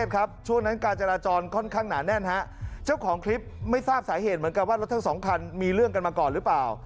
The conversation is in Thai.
ของคลิปไม่ทราบสาเหตุเหมือนกันว่ารถทั้ง๒คันมีเรื่องกันมาก่อนหรือเปล่า